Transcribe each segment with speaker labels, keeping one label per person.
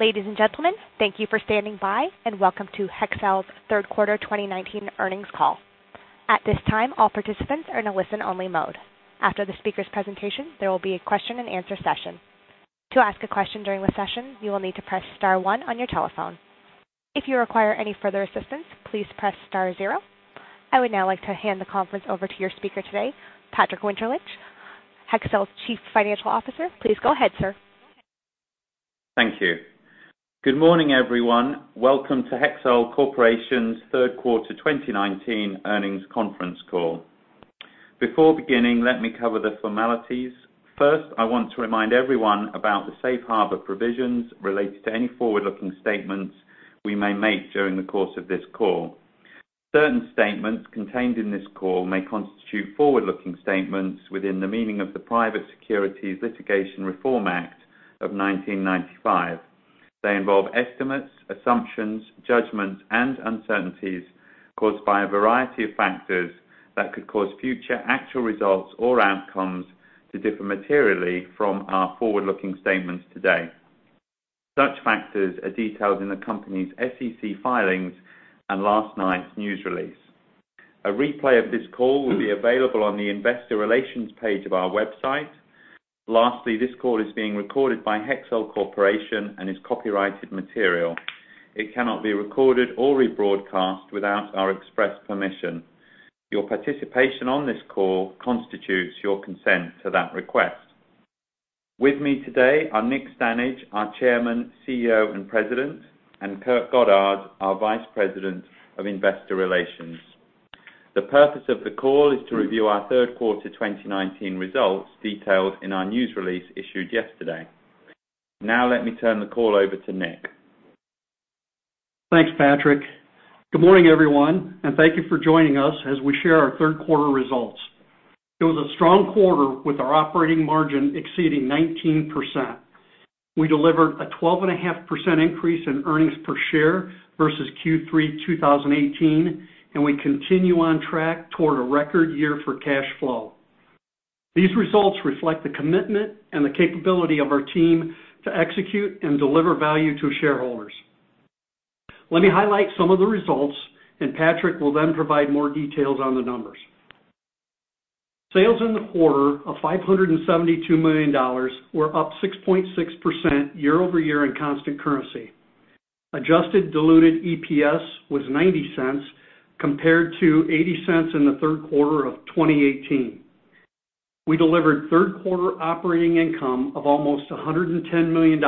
Speaker 1: Ladies and gentlemen, thank you for standing by, and welcome to Hexcel's third quarter 2019 earnings call. At this time, all participants are in a listen-only mode. After the speaker's presentation, there will be a question and answer session. To ask a question during the session, you will need to press star one on your telephone. If you require any further assistance, please press star zero. I would now like to hand the conference over to your speaker today, Patrick Winterlich, Hexcel's Chief Financial Officer. Please go ahead, sir.
Speaker 2: Thank you. Good morning, everyone. Welcome to Hexcel Corporation's third quarter 2019 earnings conference call. Before beginning, let me cover the formalities. First, I want to remind everyone about the safe harbor provisions related to any forward-looking statements we may make during the course of this call. Certain statements contained in this call may constitute forward-looking statements within the meaning of the Private Securities Litigation Reform Act of 1995. They involve estimates, assumptions, judgments, and uncertainties caused by a variety of factors that could cause future actual results or outcomes to differ materially from our forward-looking statements today. Such factors are detailed in the company's SEC filings and last night's news release. A replay of this call will be available on the investor relations page of our website. Lastly, this call is being recorded by Hexcel Corporation and is copyrighted material. It cannot be recorded or rebroadcast without our express permission. Your participation on this call constitutes your consent to that request. With me today are Nick Stanage, our Chairman, CEO, and President, and Kurt Goddard, our Vice President of Investor Relations. The purpose of the call is to review our third quarter 2019 results detailed in our news release issued yesterday. Now let me turn the call over to Nick.
Speaker 3: Thanks, Patrick. Good morning, everyone, and thank you for joining us as we share our third quarter results. It was a strong quarter with our operating margin exceeding 19%. We delivered a 12.5% increase in EPS versus Q3 2018, and we continue on track toward a record year for cash flow. These results reflect the commitment and the capability of our team to execute and deliver value to shareholders. Let me highlight some of the results, and Patrick will then provide more details on the numbers. Sales in the quarter of $572 million were up 6.6% year-over-year in constant currency. Adjusted diluted EPS was $0.90 compared to $0.80 in the third quarter of 2018. We delivered third quarter operating income of almost $110 million,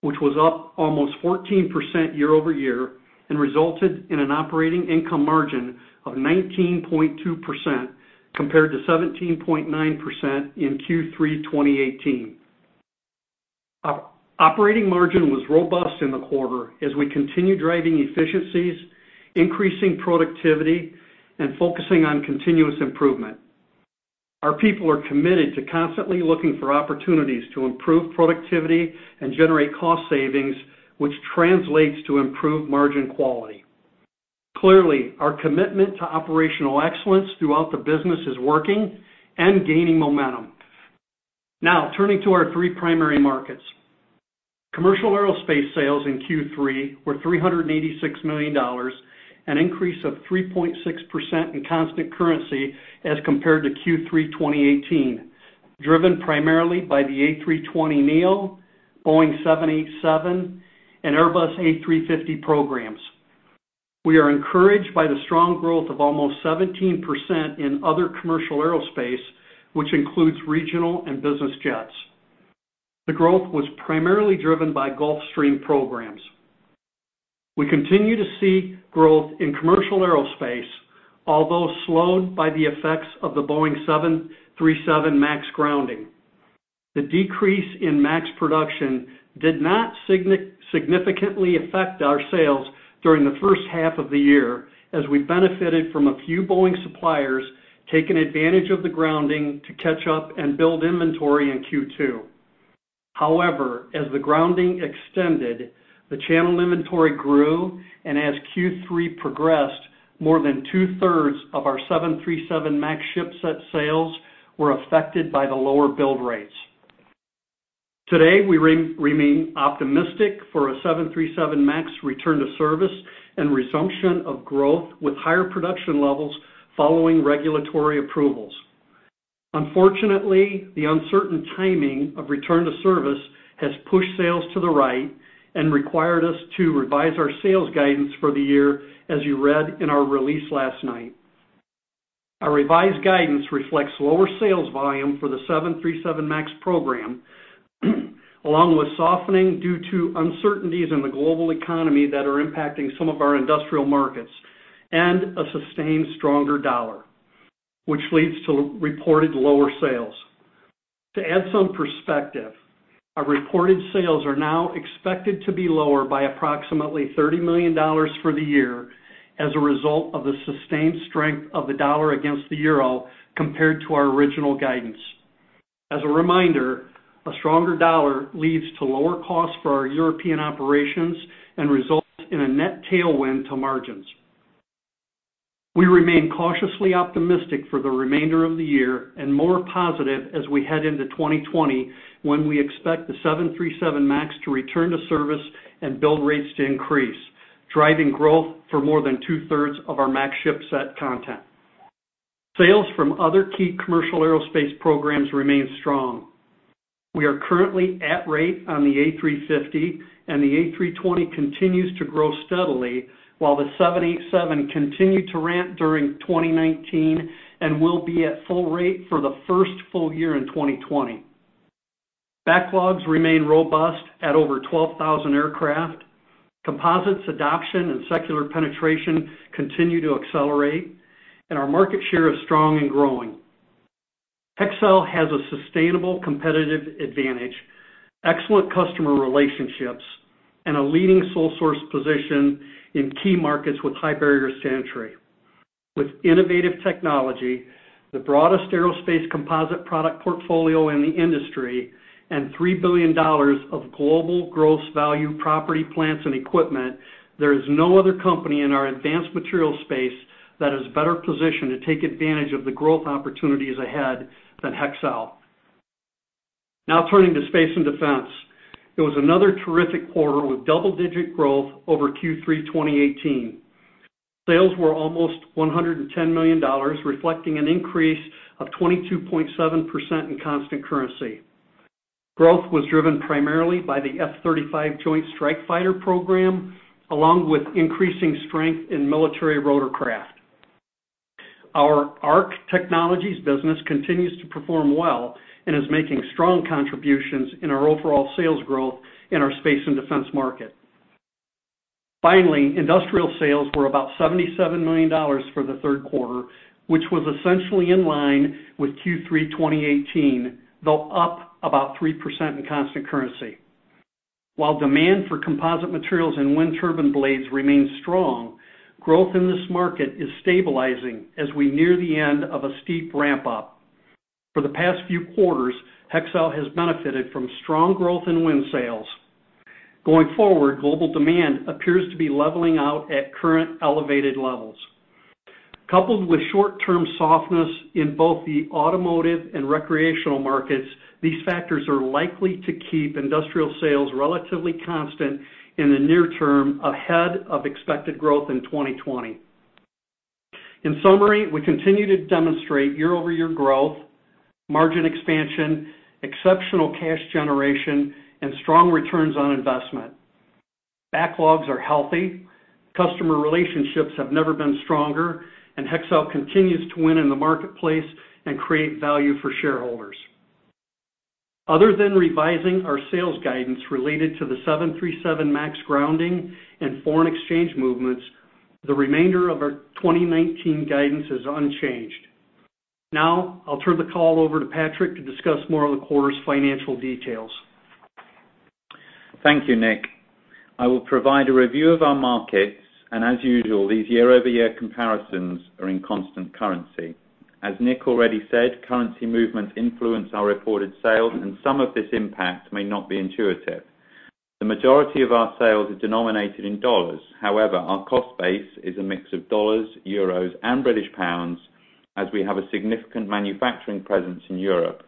Speaker 3: which was up almost 14% year-over-year and resulted in an operating income margin of 19.2% compared to 17.9% in Q3 2018. Our operating margin was robust in the quarter as we continue driving efficiencies, increasing productivity, and focusing on continuous improvement. Our people are committed to constantly looking for opportunities to improve productivity and generate cost savings, which translates to improved margin quality. Clearly, our commitment to operational excellence throughout the business is working and gaining momentum. Turning to our three primary markets. Commercial aerospace sales in Q3 were $386 million, an increase of 3.6% in constant currency as compared to Q3 2018, driven primarily by the A320neo, Boeing 787, and Airbus A350 programs. We are encouraged by the strong growth of almost 17% in other commercial aerospace, which includes regional and business jets. The growth was primarily driven by Gulfstream programs. We continue to see growth in commercial aerospace, although slowed by the effects of the Boeing 737 MAX grounding. The decrease in MAX production did not significantly affect our sales during the first half of the year, as we benefited from a few Boeing suppliers taking advantage of the grounding to catch up and build inventory in Q2. However, as the grounding extended, the channel inventory grew, and as Q3 progressed, more than two-thirds of our 737 MAX ship set sales were affected by the lower build rates. Today, we remain optimistic for a 737 MAX return to service and resumption of growth with higher production levels following regulatory approvals. Unfortunately, the uncertain timing of return to service has pushed sales to the right and required us to revise our sales guidance for the year, as you read in our release last night. Our revised guidance reflects lower sales volume for the 737 MAX program, along with softening due to uncertainties in the global economy that are impacting some of our industrial markets and a sustained stronger dollar, which leads to reported lower sales. To add some perspective, our reported sales are now expected to be lower by approximately $30 million for the year as a result of the sustained strength of the dollar against the euro compared to our original guidance. As a reminder, a stronger dollar leads to lower costs for our European operations and results in a net tailwind to margins. We remain cautiously optimistic for the remainder of the year and more positive as we head into 2020, when we expect the 737 MAX to return to service and build rates to increase, driving growth for more than two-thirds of our MAX ship set content. Sales from other key commercial aerospace programs remain strong. We are currently at rate on the A350, and the A320 continues to grow steadily while the 787 continued to ramp during 2019 and will be at full rate for the first full year in 2020. Backlogs remain robust at over 12,000 aircraft. Composites adoption and secular penetration continue to accelerate, and our market share is strong and growing. Hexcel has a sustainable competitive advantage, excellent customer relationships, and a leading sole source position in key markets with high barriers to entry. With innovative technology, the broadest aerospace composite product portfolio in the industry, and $3 billion of global gross value property, plants, and equipment, there is no other company in our advanced materials space that is better positioned to take advantage of the growth opportunities ahead than Hexcel. Turning to Space and Defense. It was another terrific quarter with double-digit growth over Q3 2018. Sales were almost $110 million, reflecting an increase of 22.7% in constant currency. Growth was driven primarily by the F-35 Joint Strike Fighter program, along with increasing strength in military rotorcraft. Our ARC Technologies business continues to perform well and is making strong contributions in our overall sales growth in our Space and Defense market. Industrial sales were about $77 million for the third quarter, which was essentially in line with Q3 2018, though up about 3% in constant currency. While demand for Composite Materials and wind turbine blades remains strong, growth in this market is stabilizing as we near the end of a steep ramp-up. For the past few quarters, Hexcel has benefited from strong growth in wind sales. Going forward, global demand appears to be leveling out at current elevated levels. Coupled with short-term softness in both the automotive and recreational markets, these factors are likely to keep industrial sales relatively constant in the near term ahead of expected growth in 2020. In summary, we continue to demonstrate year-over-year growth, margin expansion, exceptional cash generation, and strong returns on investment. Backlogs are healthy, customer relationships have never been stronger, Hexcel continues to win in the marketplace and create value for shareholders. Other than revising our sales guidance related to the 737 MAX grounding and foreign exchange movements, the remainder of our 2019 guidance is unchanged. I'll turn the call over to Patrick to discuss more of the quarter's financial details.
Speaker 2: Thank you, Nick. I will provide a review of our markets. As usual, these year-over-year comparisons are in constant currency. As Nick already said, currency movement influence our reported sales, and some of this impact may not be intuitive. The majority of our sales are denominated in $. However, our cost base is a mix of $, EUR, and GBP, as we have a significant manufacturing presence in Europe.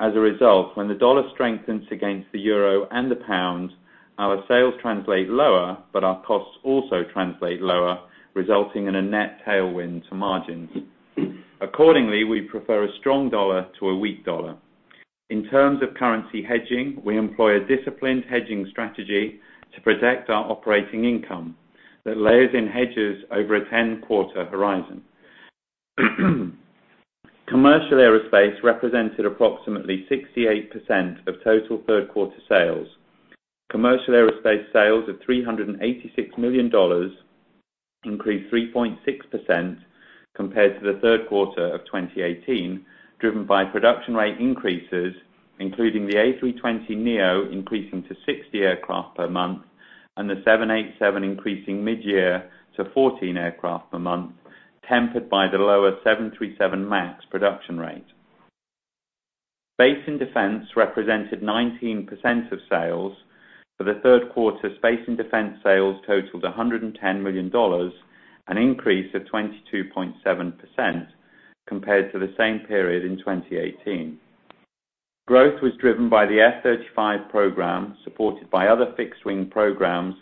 Speaker 2: As a result, when the dollar strengthens against the EUR and the GBP, our sales translate lower, but our costs also translate lower, resulting in a net tailwind to margins. Accordingly, we prefer a strong dollar to a weak dollar. In terms of currency hedging, we employ a disciplined hedging strategy to protect our operating income that layers in hedges over a 10-quarter horizon. Commercial aerospace represented approximately 68% of total third-quarter sales. Commercial aerospace sales of $386 million increased 3.6% compared to the third quarter of 2018, driven by production rate increases, including the A320neo increasing to 60 aircraft per month and the 787 increasing mid-year to 14 aircraft a month, tempered by the lower 737 MAX production rate. Space and defense represented 19% of sales. For the third quarter, Space and defense sales totaled $110 million, an increase of 22.7% compared to the same period in 2018. Growth was driven by the F-35 program, supported by other fixed-wing programs,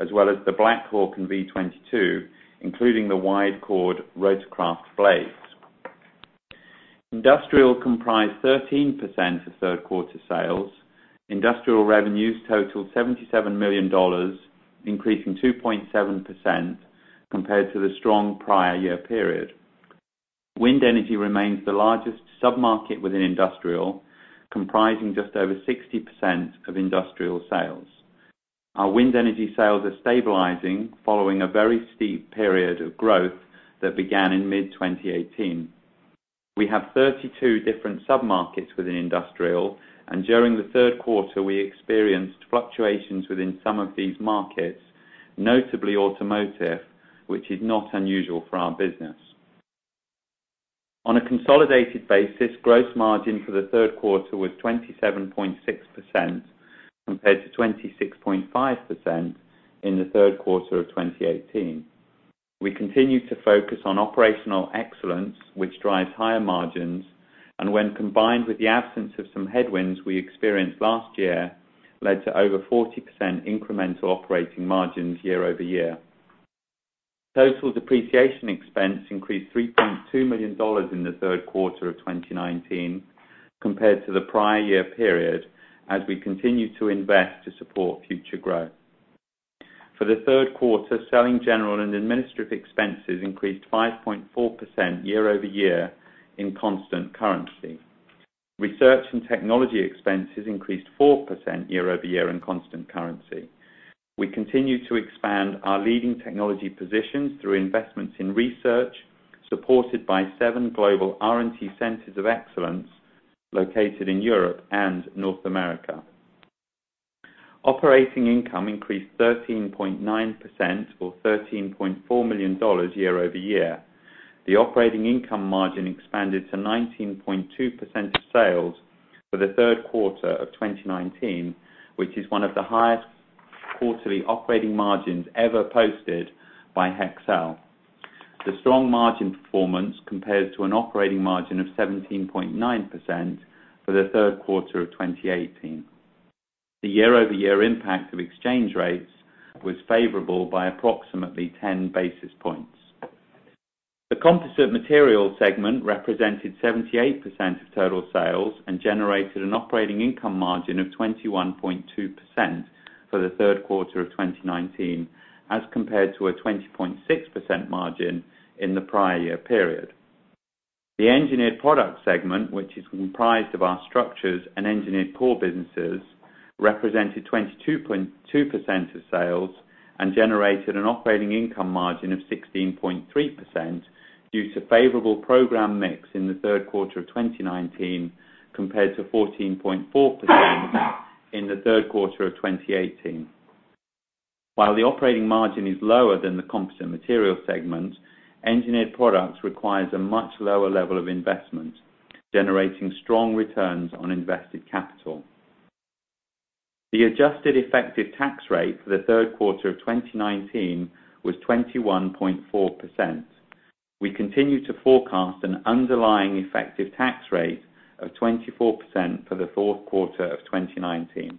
Speaker 2: as well as the Black Hawk and V-22, including the wide-chord rotorcraft blades. Industrial comprised 13% of third-quarter sales. Industrial revenues totaled $77 million, increasing 2.7% compared to the strong prior year period. Wind energy remains the largest sub-market within Industrial, comprising just over 60% of Industrial sales. Our wind energy sales are stabilizing following a very steep period of growth that began in mid-2018. During the third quarter, we experienced fluctuations within some of these markets, notably automotive, which is not unusual for our business. On a consolidated basis, gross margin for the third quarter was 27.6% compared to 26.5% in the third quarter of 2018. We continue to focus on operational excellence, which drives higher margins. When combined with the absence of some headwinds we experienced last year, this led to over 40% incremental operating margins year-over-year. Total depreciation expense increased $3.2 million in the third quarter of 2019 compared to the prior year period, as we continue to invest to support future growth. For the third quarter, selling, general, and administrative expenses increased 5.4% year-over-year in constant currency. Research and technology expenses increased 4% year-over-year in constant currency. We continue to expand our leading technology positions through investments in research, supported by seven global R&T Centers of Excellence located in Europe and North America. Operating income increased 13.9%, or $13.4 million, year-over-year. The operating income margin expanded to 19.2% of sales for the third quarter of 2019, which is one of the highest quarterly operating margins ever posted by Hexcel. The strong margin performance compared to an operating margin of 17.9% for the third quarter of 2018. The year-over-year impact of exchange rates was favorable by approximately 10 basis points. The Composite Materials segment represented 78% of total sales and generated an operating income margin of 21.2% for the third quarter of 2019 as compared to a 20.6% margin in the prior year period. The Engineered Products segment, which is comprised of our structures and engineered core businesses, represented 22.2% of sales and generated an operating income margin of 16.3% due to favorable program mix in the third quarter of 2019 compared to 14.4% in the third quarter of 2018. While the operating margin is lower than the Composite Materials segment, Engineered Products requires a much lower level of investment, generating strong returns on invested capital. The adjusted effective tax rate for the third quarter of 2019 was 21.4%. We continue to forecast an underlying effective tax rate of 24% for the fourth quarter of 2019.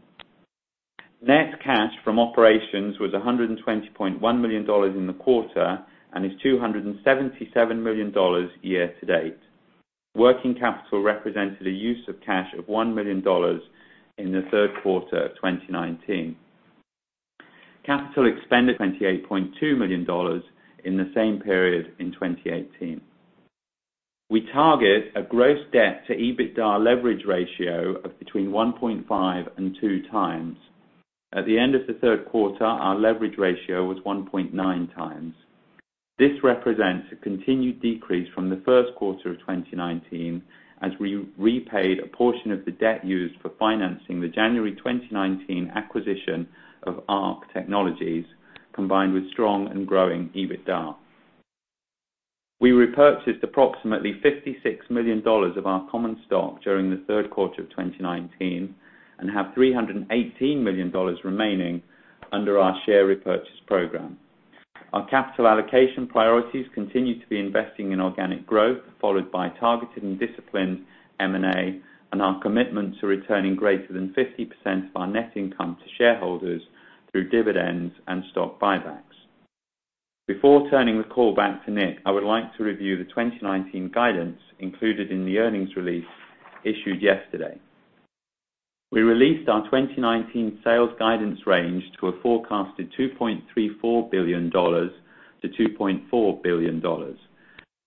Speaker 2: Net cash from operations was $120.1 million in the quarter and is $277 million year to date. Working capital represented a use of cash of $1 million in the third quarter of 2019. Capital expended $28.2 million in the same period in 2018. We target a gross debt to EBITDA leverage ratio of between 1.5 and 2 times. At the end of the third quarter, our leverage ratio was 1.9 times. This represents a continued decrease from the first quarter of 2019, as we repaid a portion of the debt used for financing the January 2019 acquisition of ARC Technologies, combined with strong and growing EBITDA. We repurchased approximately $56 million of our common stock during the third quarter of 2019 and have $318 million remaining under our share repurchase program. Our capital allocation priorities continue to be investing in organic growth, followed by targeted and disciplined M&A, and our commitment to returning greater than 50% of our net income to shareholders through dividends and stock buybacks. Before turning the call back to Nick, I would like to review the 2019 guidance included in the earnings release issued yesterday. We released our 2019 sales guidance range to a forecasted $2.34 billion-$2.4 billion.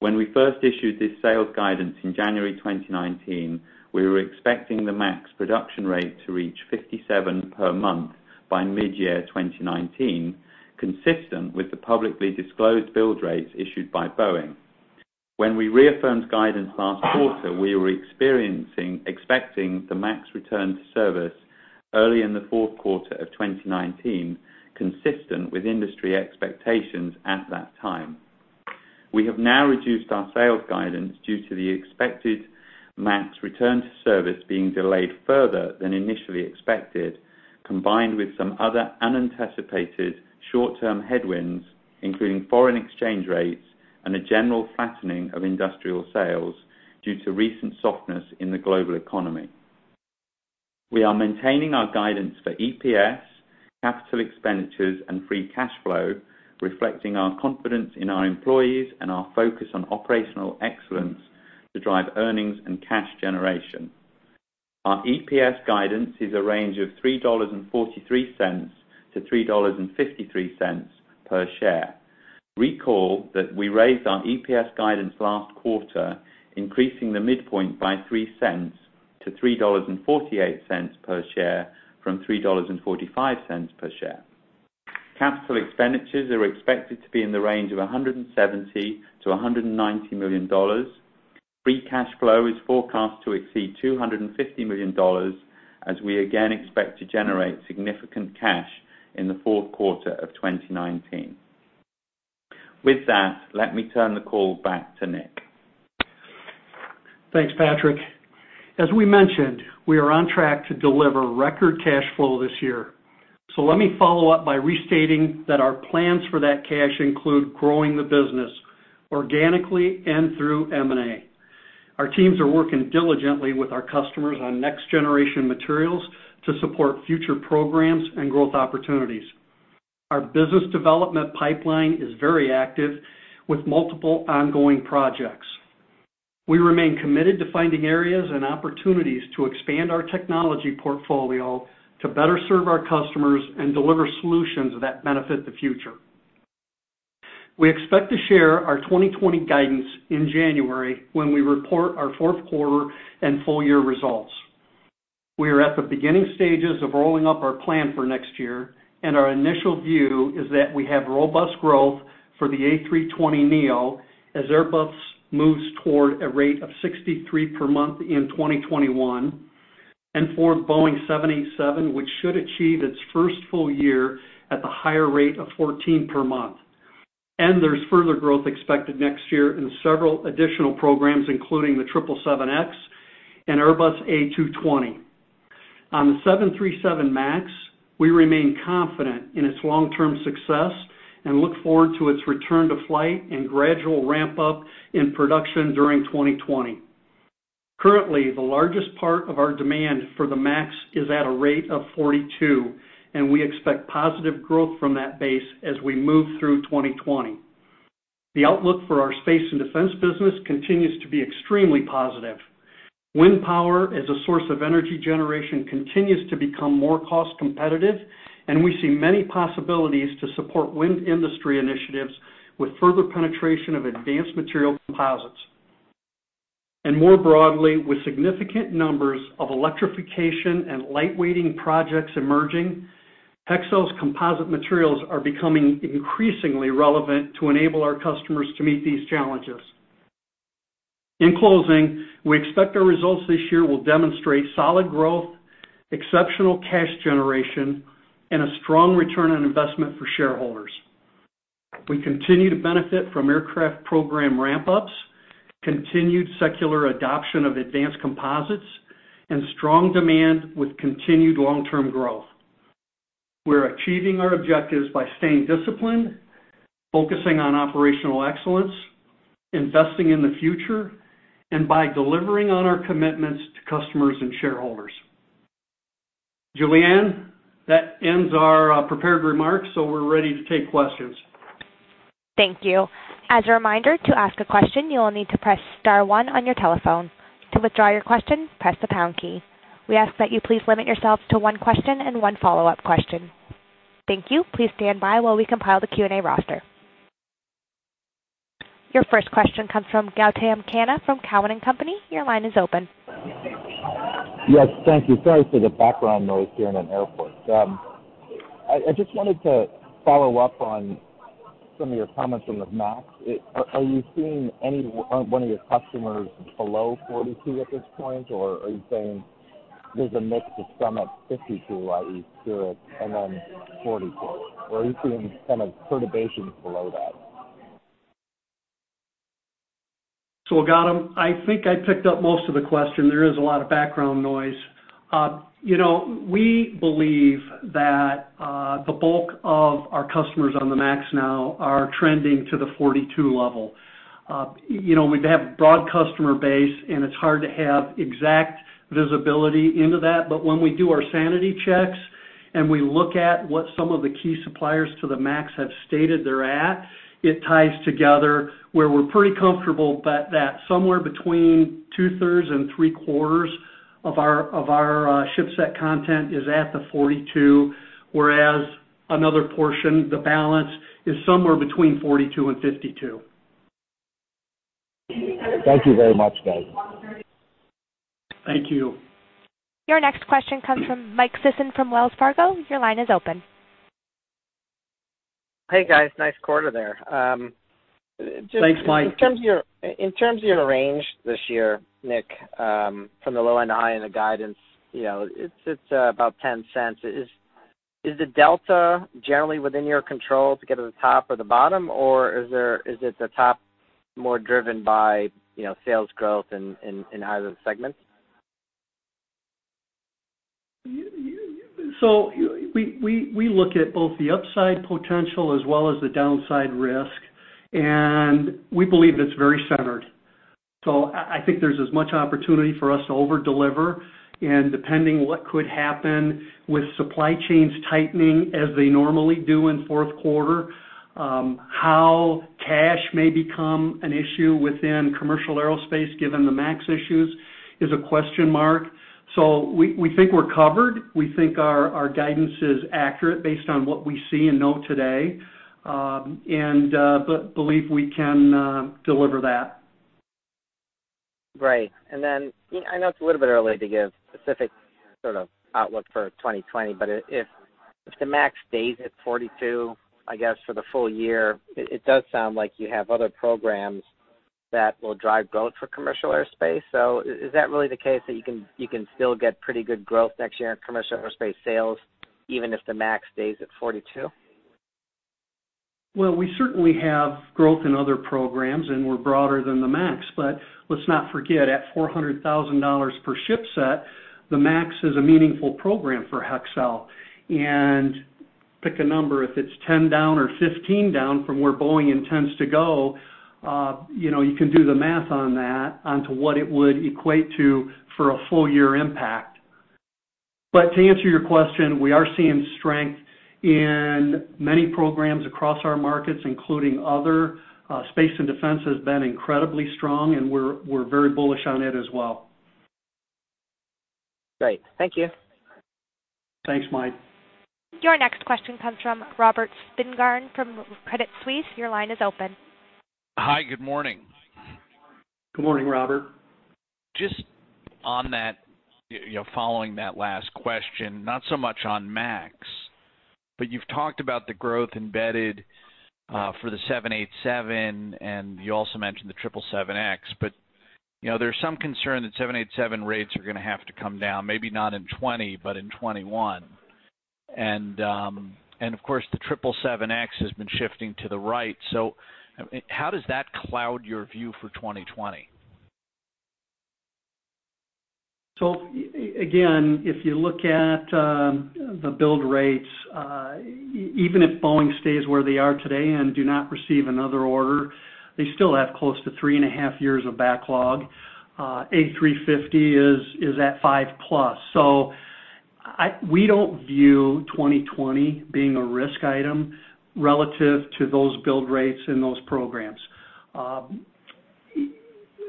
Speaker 2: When we first issued this sales guidance in January 2019, we were expecting the MAX production rate to reach 57 per month by mid-year 2019, consistent with the publicly disclosed build rates issued by Boeing. When we reaffirmed guidance last quarter, we were expecting the MAX return to service early in the fourth quarter of 2019, consistent with industry expectations at that time. We have now reduced our sales guidance due to the expected MAX return to service being delayed further than initially expected, combined with some other unanticipated short-term headwinds, including foreign exchange rates and a general flattening of industrial sales due to recent softness in the global economy. We are maintaining our guidance for EPS, capital expenditures, and free cash flow, reflecting our confidence in our employees and our focus on operational excellence to drive earnings and cash generation. Our EPS guidance is a range of $3.43 to $3.53 per share. Recall that we raised our EPS guidance last quarter, increasing the midpoint by $0.03 to $3.48 per share from $3.45 per share. Capital expenditures are expected to be in the range of $170 to $190 million. Free cash flow is forecast to exceed $250 million. As we again expect to generate significant cash in the fourth quarter of 2019. With that, let me turn the call back to Nick.
Speaker 3: Thanks, Patrick. As we mentioned, we are on track to deliver record cash flow this year. Let me follow up by restating that our plans for that cash include growing the business organically and through M&A. Our teams are working diligently with our customers on next-generation materials to support future programs and growth opportunities. Our business development pipeline is very active, with multiple ongoing projects. We remain committed to finding areas and opportunities to expand our technology portfolio to better serve our customers and deliver solutions that benefit the future. We expect to share our 2020 guidance in January when we report our fourth quarter and full-year results. We are at the beginning stages of rolling up our plan for next year, and our initial view is that we have robust growth for the A320neo as Airbus moves toward a rate of 63 per month in 2021, and for Boeing 787, which should achieve its first full year at the higher rate of 14 per month. There's further growth expected next year in several additional programs, including the 777X and Airbus A220. On the 737 MAX, we remain confident in its long-term success and look forward to its return to flight and gradual ramp-up in production during 2020. Currently, the largest part of our demand for the MAX is at a rate of 42, and we expect positive growth from that base as we move through 2020. The outlook for our space and defense business continues to be extremely positive. Wind power as a source of energy generation continues to become more cost-competitive, and we see many possibilities to support wind industry initiatives with further penetration of advanced material composites. More broadly, with significant numbers of electrification and lightweighting projects emerging, Hexcel's Composite Materials are becoming increasingly relevant to enable our customers to meet these challenges. In closing, we expect our results this year will demonstrate solid growth, exceptional cash generation, and a strong return on investment for shareholders. We continue to benefit from aircraft program ramp-ups, continued secular adoption of advanced composites, and strong demand with continued long-term growth. We're achieving our objectives by staying disciplined, focusing on operational excellence, investing in the future, and by delivering on our commitments to customers and shareholders. Julianne, that ends our prepared remarks, so we're ready to take questions.
Speaker 1: Thank you. As a reminder, to ask a question, you will need to press *1 on your telephone. To withdraw your question, press the # key. We ask that you please limit yourself to one question and one follow-up question. Thank you. Please stand by while we compile the Q&A roster. Your first question comes from Gautam Khanna from Cowen and Company. Your line is open.
Speaker 4: Yes, thank you. Sorry for the background noise here in an airport. I just wanted to follow up on some of your comments on the MAX. Are you seeing any one of your customers below 42 at this point, or are you saying there's a mix of some at 52, i.e., Spirit, and then 42, or are you seeing some perturbations below that?
Speaker 3: Gautam, I think I picked up most of the question. There is a lot of background noise. We believe that the bulk of our customers on the MAX now are trending to the 42 level. We have a broad customer base, and it's hard to have exact visibility into that. When we do our sanity checks and we look at what some of the key suppliers to the MAX have stated they're at, it ties together where we're pretty comfortable that somewhere between two-thirds and three-quarters of our ship set content is at the 42, whereas another portion, the balance, is somewhere between 42 and 52.
Speaker 4: Thank you very much, guys.
Speaker 3: Thank you.
Speaker 1: Your next question comes from Michael Sisson from Wells Fargo. Your line is open.
Speaker 5: Hey, guys, nice quarter there.
Speaker 3: Thanks, Mike.
Speaker 5: In terms of your range this year, Nick, from the low and high in the guidance, it's about $0.10. Is the delta generally within your control to get to the top or the bottom, or is it the top more driven by sales growth in either of the segments?
Speaker 3: We look at both the upside potential as well as the downside risk, and we believe it's very centered. I think there's as much opportunity for us to over-deliver and depending what could happen with supply chains tightening as they normally do in fourth quarter, how cash may become an issue within commercial aerospace given the MAX issues is a question mark. We think we're covered. We think our guidance is accurate based on what we see and know today, and believe we can deliver that.
Speaker 5: Great. I know it's a little bit early to give specific sort of outlook for 2020, but if the MAX stays at 42, I guess, for the full year, it does sound like you have other programs that will drive growth for commercial aerospace. Is that really the case, that you can still get pretty good growth next year in commercial aerospace sales, even if the MAX stays at 42?
Speaker 3: Well, we certainly have growth in other programs, and we're broader than the MAX. Let's not forget, at $400,000 per ship set, the MAX is a meaningful program for Hexcel. Pick a number, if it's 10 down or 15 down from where Boeing intends to go, you can do the math on that onto what it would equate to for a full year impact. To answer your question, we are seeing strength in many programs across our markets, including other. Space and Defense has been incredibly strong, and we're very bullish on it as well.
Speaker 5: Great. Thank you.
Speaker 3: Thanks, Mike.
Speaker 1: Your next question comes from Robert Spingarn from Credit Suisse. Your line is open.
Speaker 6: Hi. Good morning.
Speaker 3: Good morning, Robert.
Speaker 6: Just following that last question, not so much on MAX, but you've talked about the growth embedded for the 787, and you also mentioned the 777X. There's some concern that 787 rates are going to have to come down, maybe not in 2020, but in 2021. Of course, the 777X has been shifting to the right. How does that cloud your view for 2020?
Speaker 3: Again, if you look at the build rates, even if Boeing stays where they are today and do not receive another order, they still have close to three and a half years of backlog. A350 is at five-plus. We don't view 2020 being a risk item relative to those build rates and those programs.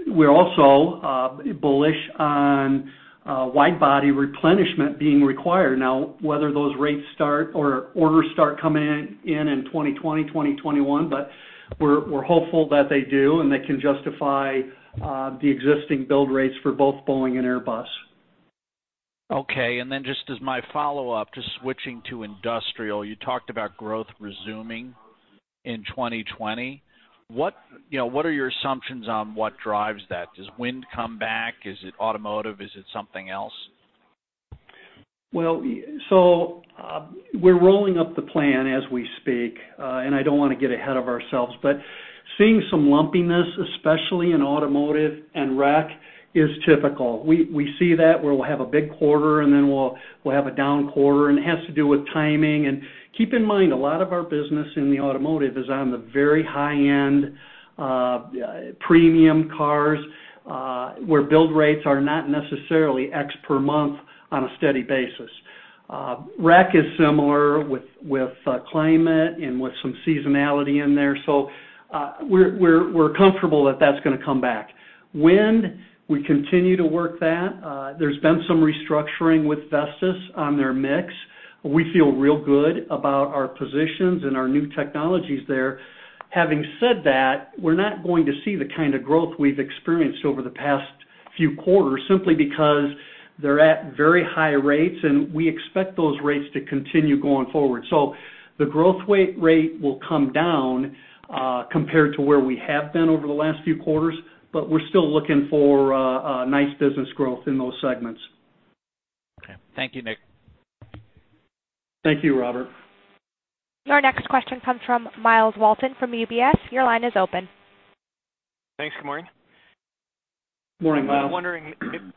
Speaker 3: We're also bullish on wide-body replenishment being required. Whether those orders start coming in in 2020, 2021, we're hopeful that they do, and they can justify the existing build rates for both Boeing and Airbus.
Speaker 6: Okay, just as my follow-up, just switching to industrial, you talked about growth resuming in 2020. What are your assumptions on what drives that? Does wind come back? Is it automotive? Is it something else?
Speaker 3: We're rolling up the plan as we speak, I don't want to get ahead of ourselves, but seeing some lumpiness, especially in automotive and rec, is typical. We see that where we'll have a big quarter, then we'll have a down quarter, it has to do with timing and keep in mind, a lot of our business in the automotive is on the very high-end premium cars, where build rates are not necessarily X per month on a steady basis. Rec is similar with claimant and with some seasonality in there. We're comfortable that that's going to come back. Wind, we continue to work that. There's been some restructuring with Vestas on their mix. We feel real good about our positions and our new technologies there. Having said that, we're not going to see the kind of growth we've experienced over the past few quarters, simply because they're at very high rates, and we expect those rates to continue going forward. The growth rate will come down compared to where we have been over the last few quarters, but we're still looking for nice business growth in those segments.
Speaker 6: Okay. Thank you, Nick.
Speaker 3: Thank you, Robert.
Speaker 1: Your next question comes from Myles Walton from UBS. Your line is open.
Speaker 7: Thanks. Good morning.
Speaker 3: Morning, Myles.
Speaker 7: I'm wondering,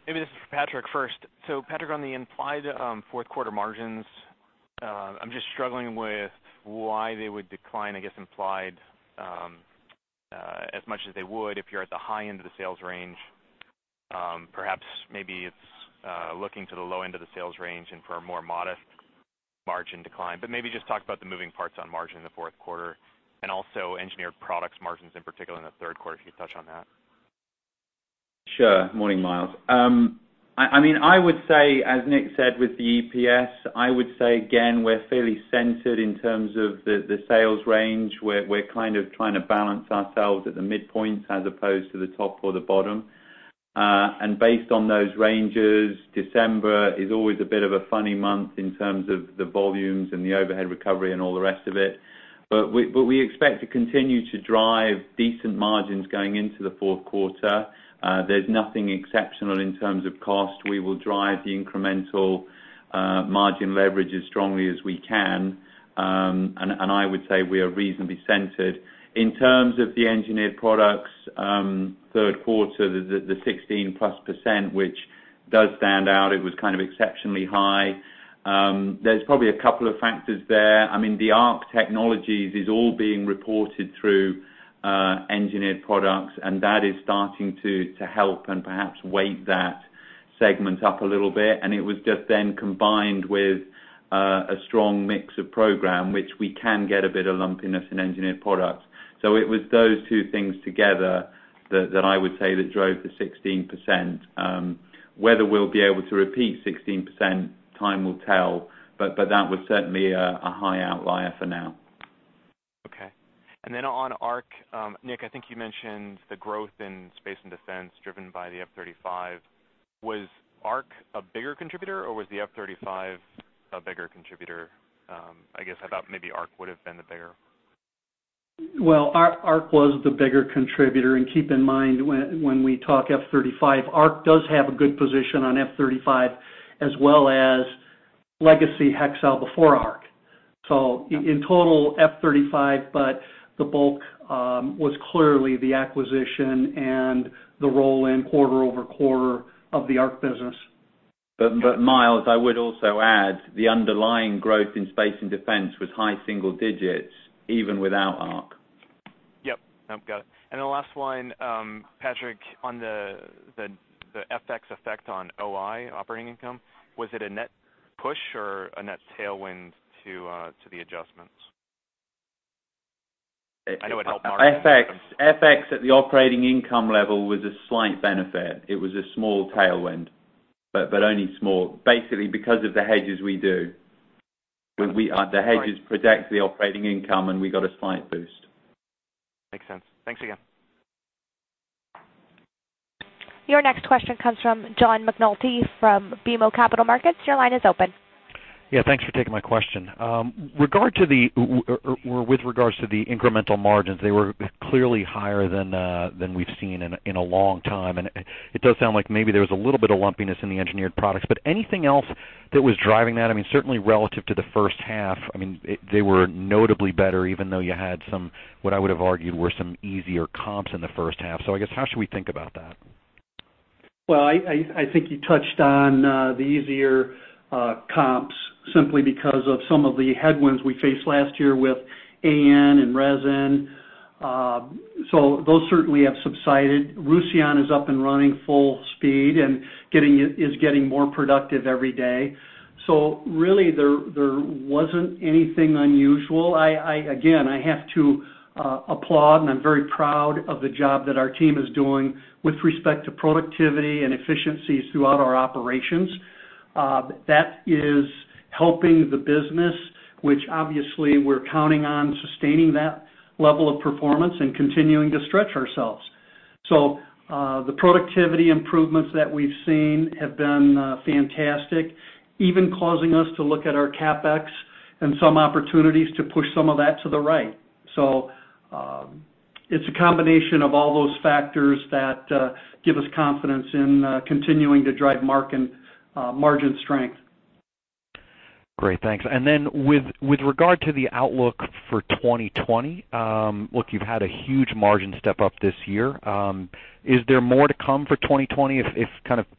Speaker 7: maybe this is for Patrick first. Patrick, on the implied fourth quarter margins, I'm just struggling with why they would decline, I guess, implied as much as they would if you're at the high end of the sales range. Perhaps maybe it's looking to the low end of the sales range and for a more modest margin decline. Maybe just talk about the moving parts on margin in the fourth quarter and also Engineered Products margins in particular in the third quarter, if you could touch on that.
Speaker 2: Sure. Morning, Myles. I would say, as Nick said with the EPS, I would say again, we're fairly centered in terms of the sales range. We're kind of trying to balance ourselves at the midpoint as opposed to the top or the bottom. Based on those ranges, December is always a bit of a funny month in terms of the volumes and the overhead recovery and all the rest of it. We expect to continue to drive decent margins going into the fourth quarter. There's nothing exceptional in terms of cost. We will drive the incremental margin leverage as strongly as we can. I would say we are reasonably centered. In terms of the Engineered Products, third quarter, the 16%+, which does stand out, it was kind of exceptionally high. There's probably a couple of factors there. The ARC Technologies is all being reported through Engineered Products, that is starting to help and perhaps weight that segment up a little bit. It was just then combined with a strong mix of program, which we can get a bit of lumpiness in Engineered Products. It was those two things together that I would say that drove the 16%. Whether we'll be able to repeat 16%, time will tell. That was certainly a high outlier for now.
Speaker 7: Okay. On ARC, Nick, I think you mentioned the growth in Space and Defense driven by the F-35. Was ARC a bigger contributor or was the F-35 a bigger contributor? I guess I thought maybe ARC would have been the bigger.
Speaker 3: Well, ARC was the bigger contributor, and keep in mind, when we talk F-35, ARC does have a good position on F-35 as well as legacy Hexcel before ARC. In total F-35, but the bulk was clearly the acquisition and the roll-in quarter-over-quarter of the ARC business.
Speaker 2: Myles, I would also add the underlying growth in Space and Defense was high single digits even without ARC.
Speaker 7: Yep. Got it. The last one, Patrick, on the FX effect on OI, operating income, was it a net push or a net tailwind to the adjustments? I know it helped margin, but.
Speaker 2: FX at the operating income level was a slight benefit. It was a small tailwind, but only small. Basically, because of the hedges we do.
Speaker 7: Got it. Right.
Speaker 2: The hedges protect the operating income, and we got a slight boost.
Speaker 7: Makes sense. Thanks again.
Speaker 1: Your next question comes from John McNulty from BMO Capital Markets. Your line is open.
Speaker 8: Yeah, thanks for taking my question. With regards to the incremental margins, they were clearly higher than we've seen in a long time. It does sound like maybe there was a little bit of lumpiness in the Engineered Products. Anything else that was driving that? Certainly relative to the first half, they were notably better even though you had some, what I would have argued were some easier comps in the first half. I guess how should we think about that?
Speaker 3: Well, I think you touched on the easier comps simply because of some of the headwinds we faced last year with AN and resin. Those certainly have subsided. Roussillon is up and running full speed and is getting more productive every day. Really there wasn't anything unusual. Again, I have to applaud, and I'm very proud of the job that our team is doing with respect to productivity and efficiencies throughout our operations. That is helping the business, which obviously we're counting on sustaining that level of performance and continuing to stretch ourselves. The productivity improvements that we've seen have been fantastic, even causing us to look at our CapEx and some opportunities to push some of that to the right. It's a combination of all those factors that give us confidence in continuing to drive margin strength.
Speaker 8: Great, thanks. With regard to the outlook for 2020, look, you've had a huge margin step-up this year. Is there more to come for 2020 if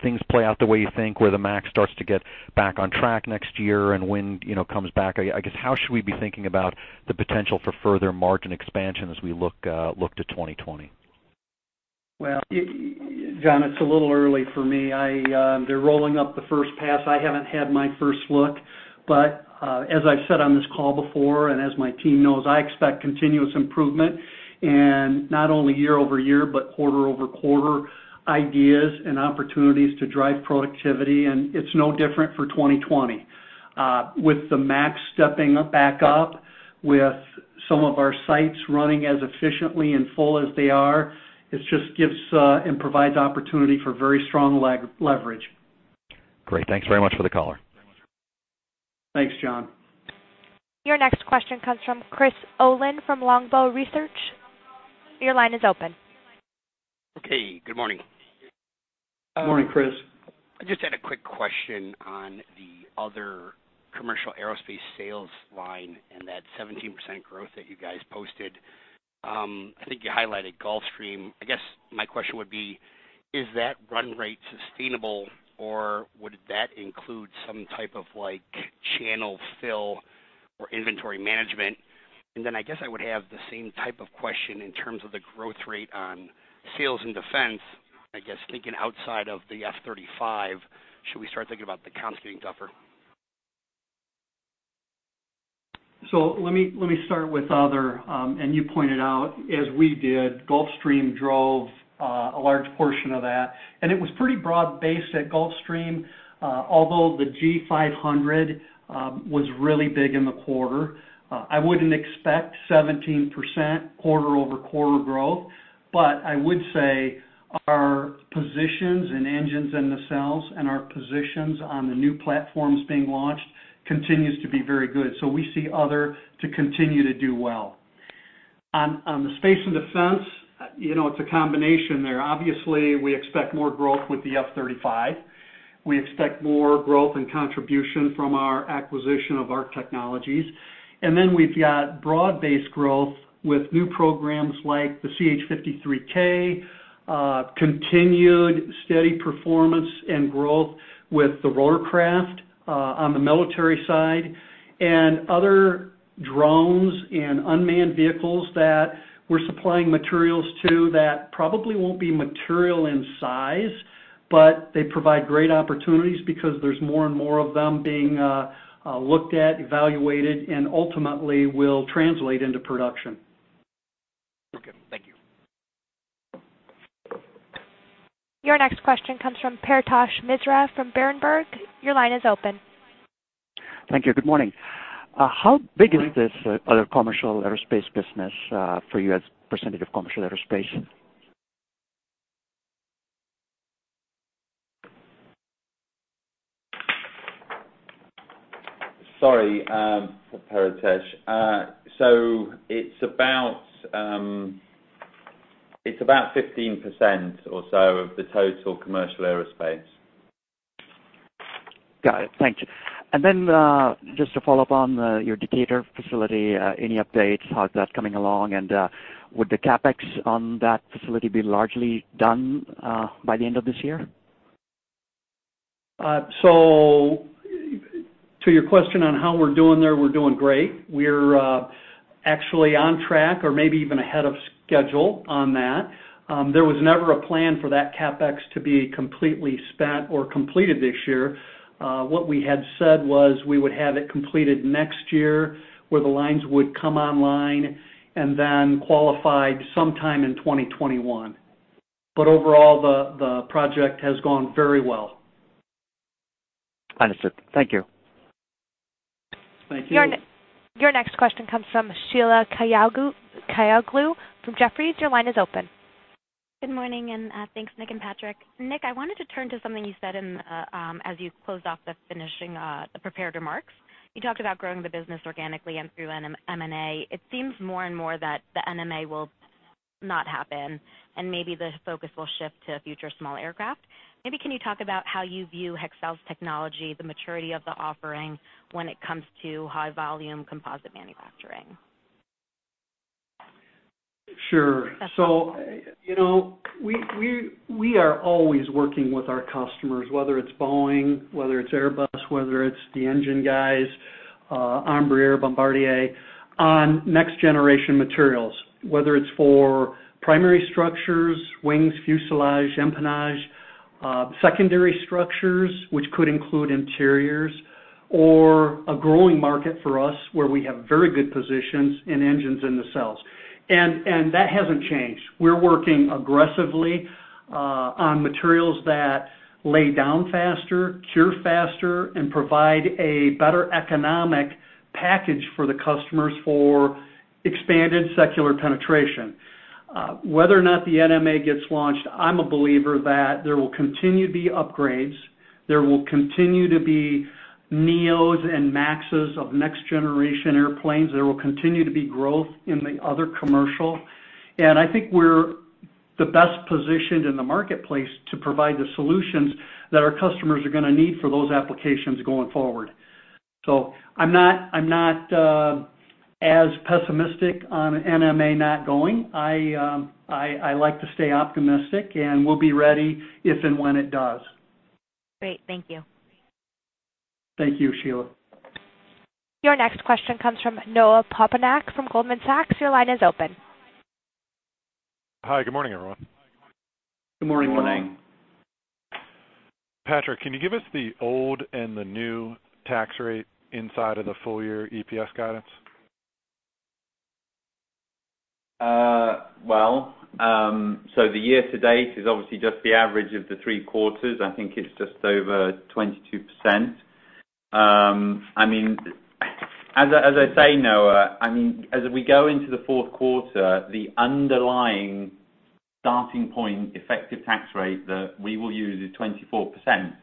Speaker 8: things play out the way you think, where the MAX starts to get back on track next year and wind comes back? I guess, how should we be thinking about the potential for further margin expansion as we look to 2020?
Speaker 3: John, it's a little early for me. They're rolling up the first pass. I haven't had my first look. As I've said on this call before, and as my team knows, I expect continuous improvement and not only year-over-year, but quarter-over-quarter ideas and opportunities to drive productivity, and it's no different for 2020. With the MAX stepping back up, with some of our sites running as efficiently and full as they are, it just gives and provides opportunity for very strong leverage.
Speaker 8: Great. Thanks very much for the color.
Speaker 3: Thanks, John.
Speaker 1: Your next question comes from Chris Olin from Longbow Research. Your line is open.
Speaker 9: Okay. Good morning.
Speaker 3: Good morning, Chris.
Speaker 9: I just had a quick question on the other commercial aerospace sales line and that 17% growth that you guys posted. I think you highlighted Gulfstream. I guess my question would be, is that run rate sustainable or would that include some type of channel fill or inventory management? I guess I would have the same type of question in terms of the growth rate on sales in defense. I guess thinking outside of the F-35, should we start thinking about the comps getting tougher?
Speaker 3: Let me start with other, and you pointed out as we did, Gulfstream drove a large portion of that, and it was pretty broad-based at Gulfstream. Although the G500 was really big in the quarter. I wouldn't expect 17% quarter-over-quarter growth, but I would say our positions in engines and nacelles and our positions on the new platforms being launched continues to be very good. We see other to continue to do well. On the Space and Defense, it's a combination there. Obviously, we expect more growth with the F-35. We expect more growth and contribution from our acquisition of ARC Technologies. We've got broad-based growth with new programs like the CH-53K, continued steady performance and growth with the rotorcraft on the military side, and other drones and unmanned vehicles that we're supplying materials to that probably won't be material in size, but they provide great opportunities because there's more and more of them being looked at, evaluated, and ultimately will translate into production.
Speaker 9: Okay, thank you.
Speaker 1: Your next question comes from Paretosh Misra from Berenberg. Your line is open.
Speaker 10: Thank you. Good morning. How big is this other commercial aerospace business for you as a % of commercial aerospace?
Speaker 2: Sorry, Paretosh. It's about 15% or so of the total commercial aerospace.
Speaker 10: Got it. Thank you. Just to follow up on your Decatur facility, any updates? How's that coming along? Would the CapEx on that facility be largely done by the end of this year?
Speaker 3: To your question on how we're doing there, we're doing great. We're actually on track or maybe even ahead of schedule on that. There was never a plan for that CapEx to be completely spent or completed this year. What we had said was we would have it completed next year, where the lines would come online and then qualified sometime in 2021. Overall, the project has gone very well.
Speaker 10: Understood. Thank you.
Speaker 2: Thank you.
Speaker 1: Your next question comes from Sheila Kahyaoglu from Jefferies. Your line is open.
Speaker 11: Good morning. Thanks Nick and Patrick. Nick, I wanted to turn to something you said as you closed off the finishing prepared remarks. You talked about growing the business organically and through M&A. It seems more and more that the M&A will not happen and maybe the focus will shift to future small aircraft. Maybe can you talk about how you view Hexcel's technology, the maturity of the offering when it comes to high volume composite manufacturing?
Speaker 3: Sure. We are always working with our customers, whether it's Boeing, whether it's Airbus, whether it's the engine guys, Embraer, Bombardier, on next generation materials. Whether it's for primary structures, wings, fuselage, empennage, secondary structures, which could include interiors or a growing market for us, where we have very good positions in engines in the cells. That hasn't changed. We're working aggressively on materials that lay down faster, cure faster, and provide a better economic package for the customers for expanded secular penetration. Whether or not the NMA gets launched, I'm a believer that there will continue to be upgrades. There will continue to be NEO and MAX of next generation airplanes. There will continue to be growth in the other commercial. I think we're the best positioned in the marketplace to provide the solutions that our customers are going to need for those applications going forward. I'm not as pessimistic on NMA not going. I like to stay optimistic, and we'll be ready if and when it does.
Speaker 11: Great. Thank you.
Speaker 3: Thank you, Sheila.
Speaker 1: Your next question comes from Noah Poponak from Goldman Sachs. Your line is open.
Speaker 12: Hi, good morning, everyone.
Speaker 2: Good morning.
Speaker 12: Patrick, can you give us the old and the new tax rate inside of the full year EPS guidance?
Speaker 2: Well, the year to date is obviously just the average of the 3 quarters. I think it's just over 22%. As I say, Noah, as we go into the fourth quarter, the underlying starting point effective tax rate that we will use is 24%.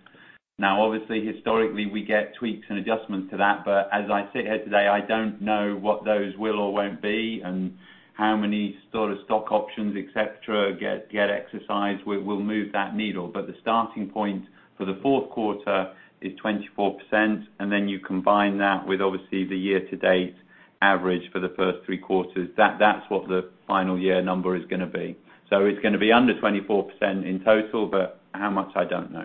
Speaker 2: Now, obviously, historically, we get tweaks and adjustments to that. As I sit here today, I don't know what those will or won't be and how many sort of stock options, et cetera, get exercised will move that needle. The starting point for the fourth quarter is 24%, and then you combine that with, obviously, the year to date average for the first 3 quarters. That's what the final year number is going to be. It's going to be under 24% in total, but how much, I don't know.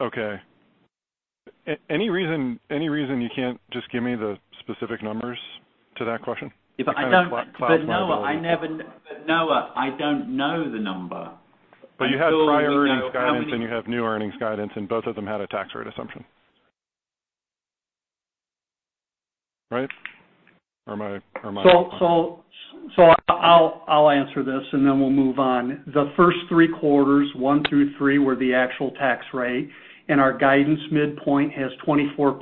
Speaker 12: Okay. Any reason you can't just give me the specific numbers to that question?
Speaker 2: Noah, I don't know the number.
Speaker 12: You had prior earnings guidance, and you have new earnings guidance, and both of them had a tax rate assumption. Right? Or am I wrong?
Speaker 3: I'll answer this, and then we'll move on. The first three quarters, one through three, were the actual tax rate, and our guidance midpoint has 24%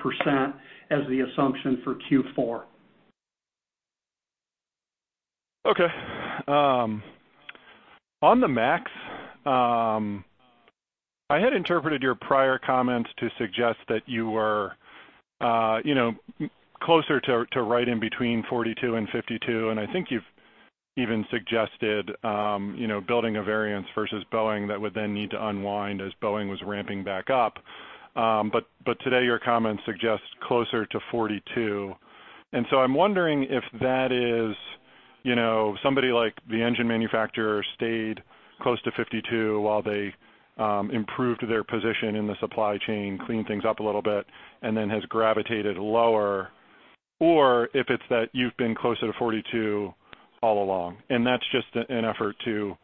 Speaker 3: as the assumption for Q4.
Speaker 12: Okay. On the MAX, I had interpreted your prior comments to suggest that you were closer to right in between 42 and 52, and I think you've even suggested building a variance versus Boeing that would then need to unwind as Boeing was ramping back up. Today your comments suggest closer to 42. I'm wondering if that is somebody like the engine manufacturer stayed close to 52 while they improved their position in the supply chain, cleaned things up a little bit, and then has gravitated lower, or if it's that you've been closer to 42 all along. That's just an effort to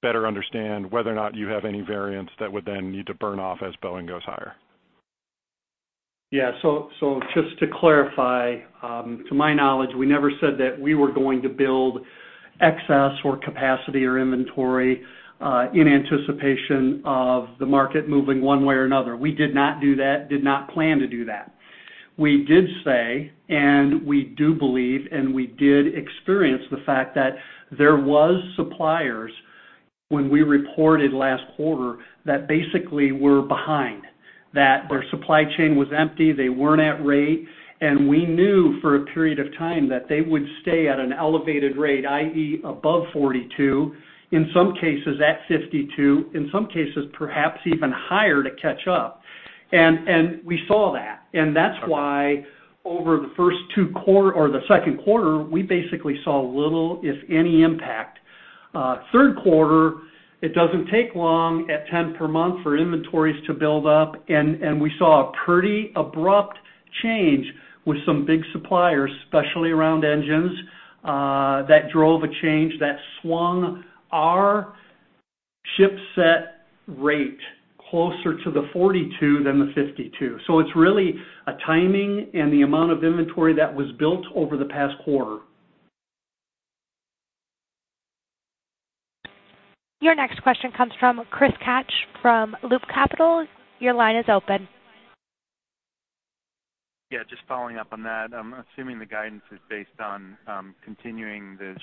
Speaker 12: better understand whether or not you have any variance that would then need to burn off as Boeing goes higher.
Speaker 3: Just to clarify, to my knowledge, we never said that we were going to build excess or capacity or inventory in anticipation of the market moving one way or another. We did not do that, did not plan to do that. We did say, and we do believe, and we did experience the fact that there was suppliers when we reported last quarter that basically were behind, that their supply chain was empty, they weren't at rate, and we knew for a period of time that they would stay at an elevated rate, i.e., above 42, in some cases at 52, in some cases perhaps even higher to catch up. We saw that. That's why over the second quarter, we basically saw little, if any, impact. Third quarter, it doesn't take long at 10 per month for inventories to build up, and we saw a pretty abrupt change with some big suppliers, especially around engines, that drove a change that swung our ship-set rate closer to the 42 than the 52. It's really a timing and the amount of inventory that was built over the past quarter.
Speaker 1: Your next question comes from Chris Kapsch from Loop Capital. Your line is open.
Speaker 13: Yeah, just following up on that, I'm assuming the guidance is based on continuing the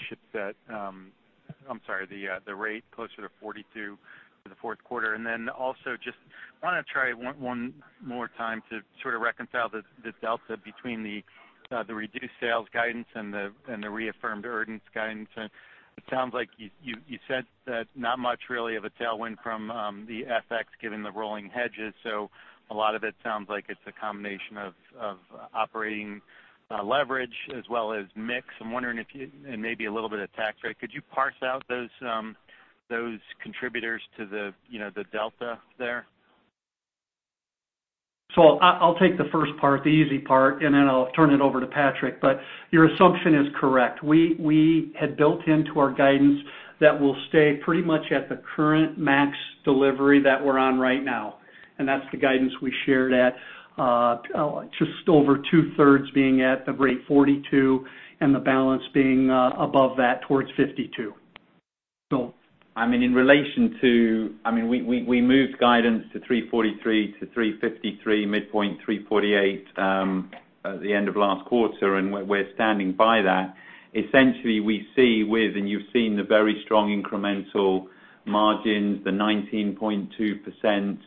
Speaker 13: rate closer to 42 for the fourth quarter. Also, just want to try one more time to sort of reconcile the delta between the reduced sales guidance and the reaffirmed earnings guidance. It sounds like you said that not much really of a tailwind from the FX given the rolling hedges. A lot of it sounds like it's a combination of operating leverage as well as mix. I'm wondering if you-- and maybe a little bit of tax rate. Could you parse out those contributors to the delta there?
Speaker 3: I'll take the first part, the easy part, and then I'll turn it over to Patrick. Your assumption is correct. We had built into our guidance that we'll stay pretty much at the current MAX delivery that we're on right now, and that's the guidance we shared at just over two-thirds being at the rate 42 and the balance being above that towards 52.
Speaker 2: We moved guidance to 343-353, midpoint 348 at the end of last quarter, and we're standing by that. Essentially, you've seen the very strong incremental margins, the 19.2%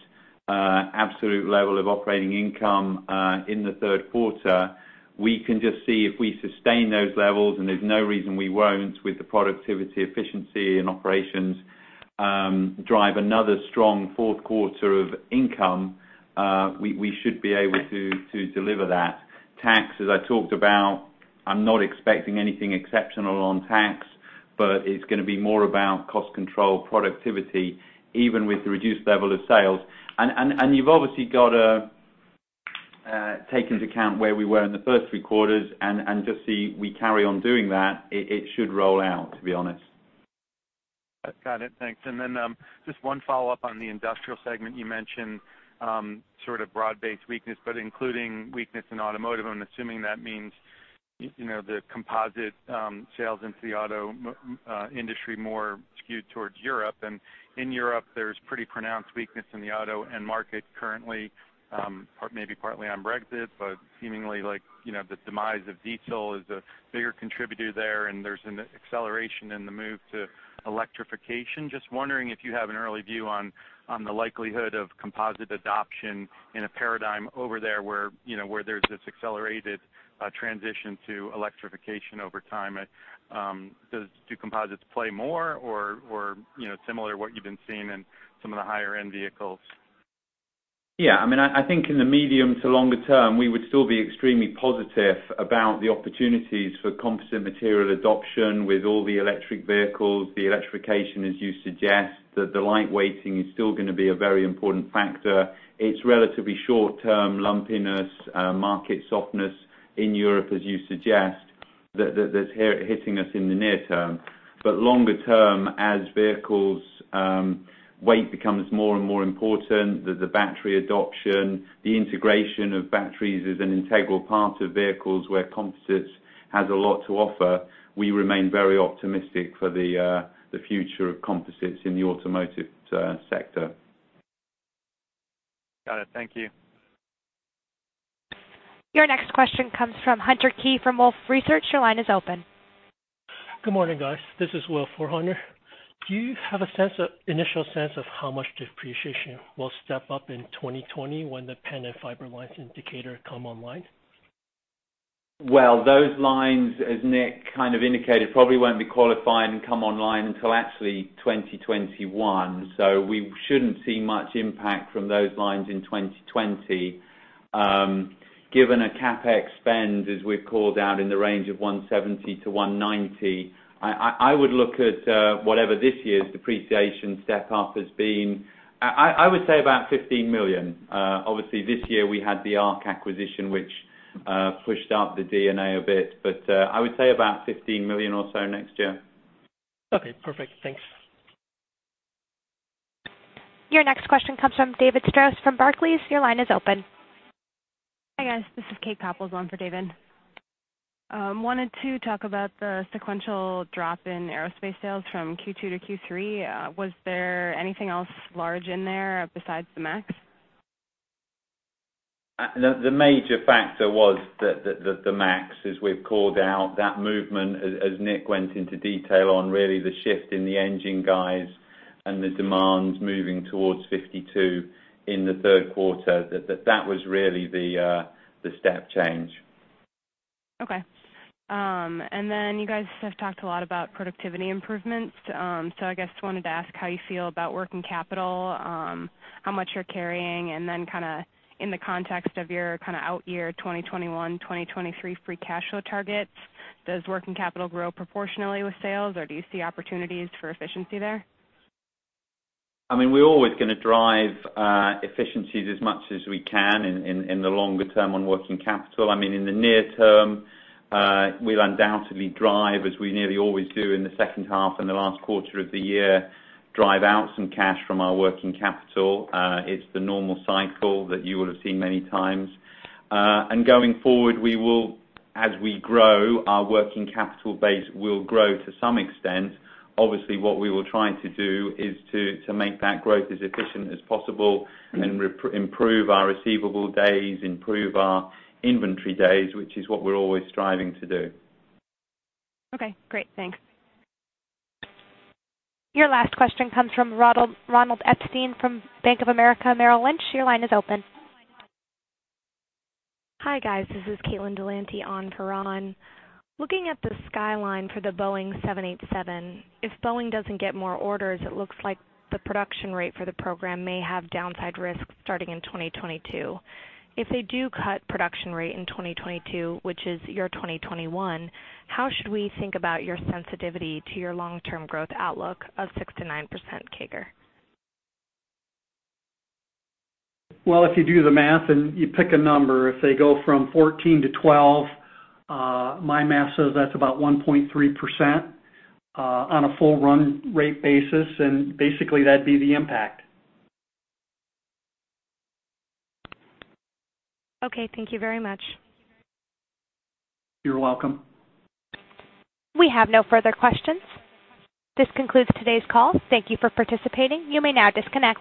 Speaker 2: absolute level of operating income in the third quarter. We can just see if we sustain those levels, and there's no reason we won't with the productivity efficiency and operations drive another strong fourth quarter of income. We should be able to deliver that. Tax, as I talked about, I'm not expecting anything exceptional on tax, but it's going to be more about cost control productivity even with the reduced level of sales. You've obviously got to take into account where we were in the first three quarters and just see we carry on doing that. It should roll out, to be honest.
Speaker 13: Got it. Thanks. Then just one follow-up on the industrial segment. You mentioned sort of broad-based weakness, but including weakness in automotive, I'm assuming that means the composite sales into the auto industry more skewed towards Europe. In Europe, there's pretty pronounced weakness in the auto end market currently, maybe partly on Brexit, but seemingly the demise of diesel is a bigger contributor there, and there's an acceleration in the move to electrification. Wondering if you have an early view on the likelihood of composite adoption in a paradigm over there where there's this accelerated transition to electrification over time. Do composites play more or similar to what you've been seeing in some of the higher-end vehicles?
Speaker 2: I think in the medium to longer term, we would still be extremely positive about the opportunities for composite material adoption with all the electric vehicles, the electrification, as you suggest, that the lightweighting is still going to be a very important factor. It's relatively short term lumpiness, market softness in Europe, as you suggest, that's hitting us in the near term. Longer term, as vehicles' weight becomes more and more important, there's the battery adoption, the integration of batteries is an integral part of vehicles where composites has a lot to offer. We remain very optimistic for the future of composites in the automotive sector.
Speaker 13: Got it. Thank you.
Speaker 1: Your next question comes from Hunter Keay from Wolfe Research. Your line is open.
Speaker 14: Good morning, guys. This is Will for Hunter. Do you have an initial sense of how much depreciation will step up in 2020 when the PAN and fiber lines in Decatur come online?
Speaker 2: Those lines, as Nick kind of indicated, probably won't be qualifying and come online until actually 2021. We shouldn't see much impact from those lines in 2020. Given a CapEx spend, as we've called out in the range of $170 million to $190 million, I would look at whatever this year's depreciation step-up has been. I would say about $15 million. Obviously, this year we had the ARC acquisition, which pushed up the D&A a bit, but I would say about $15 million or so next year.
Speaker 14: Okay, perfect. Thanks.
Speaker 1: Your next question comes from David Strauss from Barclays. Your line is open.
Speaker 15: Hi, guys. This is Kate Poppel, on for David. I wanted to talk about the sequential drop in aerospace sales from Q2 to Q3. Was there anything else large in there besides the MAX?
Speaker 2: The major factor was the MAX, as we've called out, that movement, as Nick went into detail on, really the shift in the engine guys and the demands moving towards 52 in the third quarter, that was really the step change.
Speaker 15: Okay. You guys have talked a lot about productivity improvements. I just wanted to ask how you feel about working capital, how much you're carrying, and then in the context of your out year 2021, 2023 free cash flow targets, does working capital grow proportionally with sales or do you see opportunities for efficiency there?
Speaker 2: We're always going to drive efficiencies as much as we can in the longer term on working capital. In the near term, we'll undoubtedly drive, as we nearly always do in the second half and the last quarter of the year, drive out some cash from our working capital. It's the normal cycle that you will have seen many times. Going forward, as we grow, our working capital base will grow to some extent. Obviously, what we will try to do is to make that growth as efficient as possible and improve our receivable days, improve our inventory days, which is what we're always striving to do.
Speaker 15: Okay, great. Thanks.
Speaker 1: Your last question comes from Ronald Epstein from Bank of America Merrill Lynch. Your line is open.
Speaker 16: Hi, guys. This is Caitlin Dullanty on for Ron. Looking at the skyline for the Boeing 787, if Boeing doesn't get more orders, it looks like the production rate for the program may have downside risk starting in 2022. If they do cut production rate in 2022, which is your 2021, how should we think about your sensitivity to your long-term growth outlook of 6%-9% CAGR?
Speaker 3: Well, if you do the math and you pick a number, if they go from 14 to 12, my math says that's about 1.3% on a full run rate basis, and basically that'd be the impact.
Speaker 16: Okay, thank you very much.
Speaker 3: You're welcome.
Speaker 1: We have no further questions. This concludes today's call. Thank you for participating. You may now disconnect.